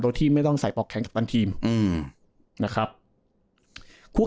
โดยที่ไม่ต้องใส่ปอกแขนกับทันทีมนะครับครับครับครับ